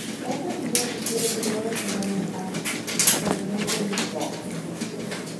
Otra opinión sugiere que "todos serán un 'anti', cuando no sean un 'pro-'".